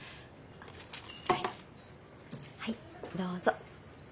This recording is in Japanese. はいどうぞ。